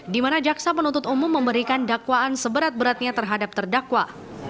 di mana jaksa penuntut umum memberikan dakwaan seberat beratnya terhadap terdakwa